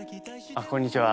こんにちは。